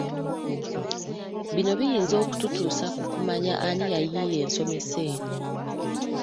Bino biyinza okututuusa ku kumanya ani yayiiya ensomesa eno.